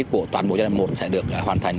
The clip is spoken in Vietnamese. của toàn bộ giai đoạn một sẽ được hoàn thành